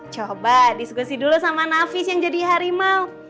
coba diskusi dulu sama nafis yang jadi harimau